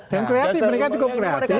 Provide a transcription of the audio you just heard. kreatif mereka cukup kreatif